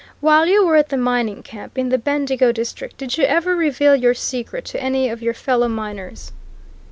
"While you were at the mining camp, in the Bendigo district, did you ever reveal your secret to any of your fellow miners?"